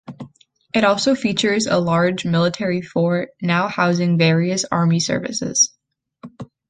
It also features a large military fort, now housing various army services.